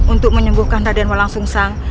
untuk menyembuhkan raden malang sung sang